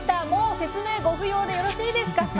もう説明ご不要でよろしいですか。